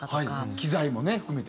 機材もね含めて。